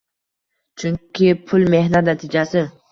Chunki pul mehnat natijasi –